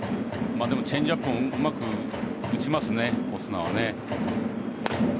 でもチェンジアップをうまく打ちますね、オスナは。